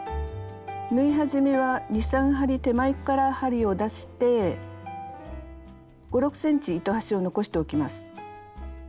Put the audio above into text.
縫い始めは２３針手前から針を出して５６ｃｍ糸端を残しておきます。